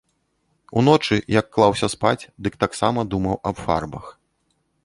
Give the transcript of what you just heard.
Уночы, як клаўся спаць, дык таксама думаў аб фарбах.